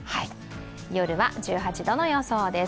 夜は１８度の予想です。